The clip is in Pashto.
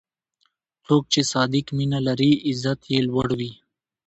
څوک چې صادق مینه لري، عزت یې لوړ وي.